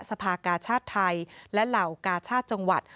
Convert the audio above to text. สภากาชาติไทยและเหล่ากาชาติจังหวัด